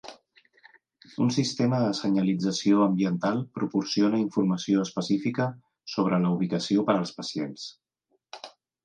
Un sistema de senyalització ambiental proporciona informació específica sobre la ubicació per als pacients.